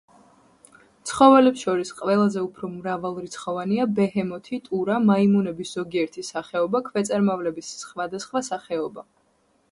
ცხოველებს შორის ყველაზე უფრო მრავალრიცხოვანია ბეჰემოთი, ტურა, მაიმუნების ზოგიერთი სახეობა, ქვეწარმავლების სხვადასხვა სახეობა.